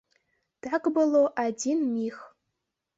Так было адзін міг.